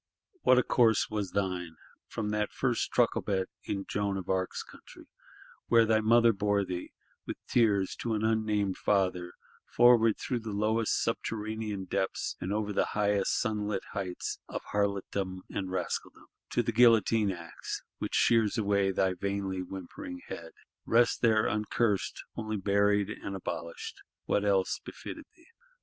What a course was thine: from that first trucklebed (in Joan of Arc's country) where thy mother bore thee, with tears, to an unnamed father: forward, through lowest subterranean depths, and over highest sunlit heights, of Harlotdom and Rascaldom—to the guillotine axe, which shears away thy vainly whimpering head! Rest there uncursed; only buried and abolished: what else befitted thee?